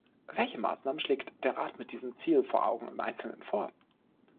Welche Maßnahmen schlägt der Rat mit diesem Ziel vor Augen im Einzelnen vor?